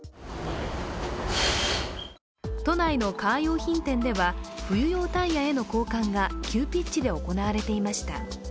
都内のカー用品店では冬用タイヤへの交換が急ピッチで行われていました。